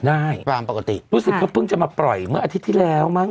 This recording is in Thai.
ได้ตามปกติรู้สึกเขาเพิ่งจะมาปล่อยเมื่ออาทิตย์ที่แล้วมั้